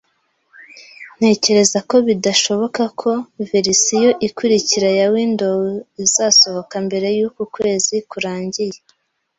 Ntekereza ko bidashoboka ko verisiyo ikurikira ya Windows izasohoka mbere yuku kwezi kurangiye